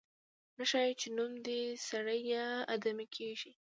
نه ښايي چې نوم دې سړی یا آدمي کېږدي.